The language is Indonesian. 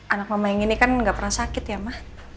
anak mama yang ini kan gak pernah sakit ya mah